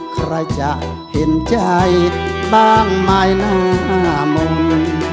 ใครจะเห็นใจบ้างไหมหน้ามนต์